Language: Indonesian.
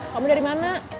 kamu dari mana